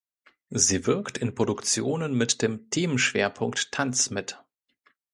Sie wirkt in Produktionen mit dem Themenschwerpunkt Tanz mit.